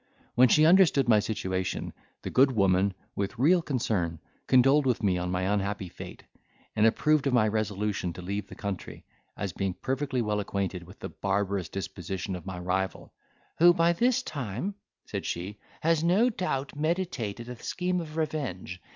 When she understood my situation, the good woman, with real concern, condoled with me on my unhappy fate, and approved of my resolution to leave the country, as being perfectly well acquainted with the barbarous disposition of my rival, "who, by this time," said she, "has no doubt meditated a scheme of revenge.